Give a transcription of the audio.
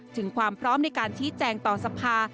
ถึงความพร้อมในการชี้แจงต่อสภา